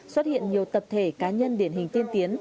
xuất hiện nhiều tập thể cá nhân điển hình tiên tiến